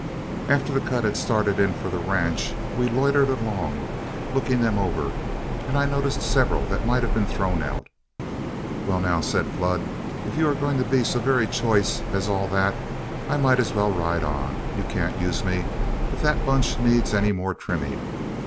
After the cut had started in for the ranch, we loitered along, looking them over, and I noticed several that might have been thrown out. "Well, now," said Flood, "if you are going to be so very choice as all that, I might as well ride on. You can't use me if that bunch needs any more trimming.